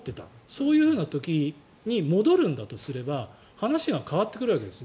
そういうふうな時に戻るんだとすれば話が変わってくるわけです。